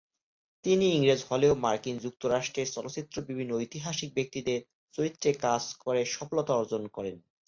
তিনি ইংরেজ হলেও মার্কিন যুক্তরাষ্ট্রের চলচ্চিত্রে বিভিন্ন ঐতিহাসিক ব্যক্তিদের চরিত্রে কাজ করে সফলতা অর্জন করেন।